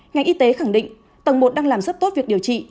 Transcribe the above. ngành y tế khẳng định tầng một đang làm rất tốt việc điều trị